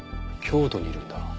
京都にいるんだ。